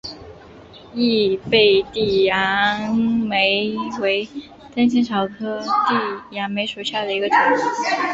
异被地杨梅为灯心草科地杨梅属下的一个种。